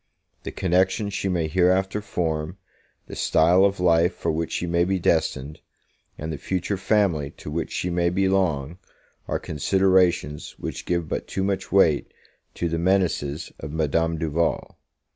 The connections she may hereafter form, the style of life for which she may be destined, and the future family to which she may belong, are considerations which give but too much weight to the menaces of Madame Duval.